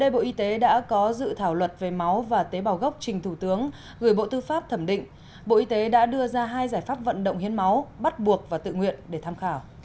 bộ y tế đã có dự thảo luật về máu và tế bảo gốc trình thủ tướng gửi bộ tư pháp thẩm định bộ y tế đã đưa ra hai giải pháp vận động hiến máu bắt buộc và tự nguyện để tham khảo